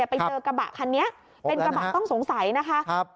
ไปเจอกระบะคันนี้เป็นกระบะต้องสงสัยนะคะ